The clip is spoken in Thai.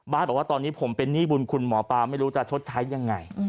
บอกว่าตอนนี้ผมเป็นหนี้บุญคุณหมอปลาไม่รู้จะชดใช้ยังไง